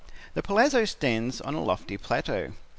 The palazzo stands on a lofty plateau.